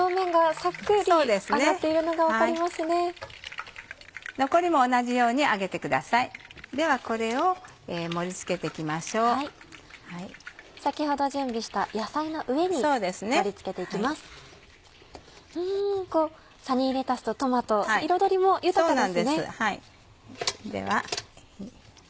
サニーレタスとトマト彩りも豊かですね。